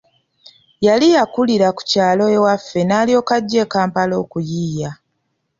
Yali yakulira ku kyalo ewaffe n'alyoka ajja e Kampala okuyiiya.